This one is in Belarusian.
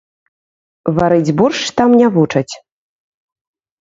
Варыць боршч там не вучаць.